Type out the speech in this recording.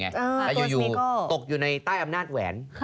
แล้วอยู่ตกอยู่ในใต้อำนาจแหวน